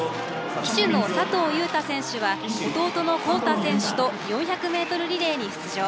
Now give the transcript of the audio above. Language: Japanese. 旗手の佐藤柚太選手は弟の香太選手と４００ｍリレーに出場。